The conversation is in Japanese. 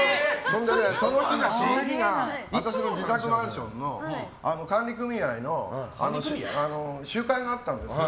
その日が私の自宅マンションの管理組合の集会があったんですよ。